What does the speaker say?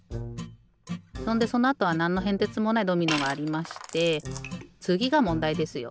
そんでそのあとはなんのへんてつもないドミノがありましてつぎがもんだいですよ。